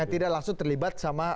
yang tidak langsung terlibat sama